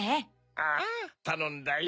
ああたのんだよ。